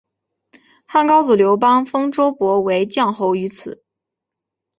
汉高祖刘邦封周勃为绛侯于此。